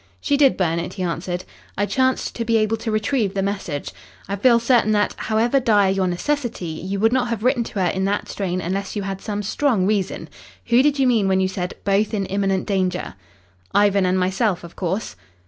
"She did burn it," he answered. "I chanced to be able to retrieve the message. I feel certain that, however dire your necessity, you would not have written to her in that strain unless you had some strong reason. Who did you mean when you said 'both in imminent danger'?" "Ivan and myself, of course."